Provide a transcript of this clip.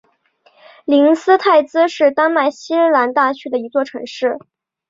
灵斯泰兹是丹麦西兰大区的一座城市。